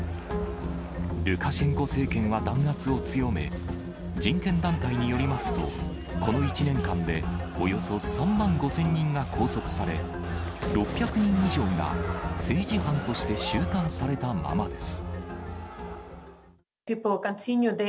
ルカシェンコ政権は弾圧を強め、人権団体によりますと、この１年間でおよそ３万５０００人が拘束され、６００人以上が政治犯として収監されたままです。